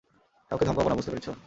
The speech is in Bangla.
কাউকে ধমকাবো না, বুঝতে পেরেছ?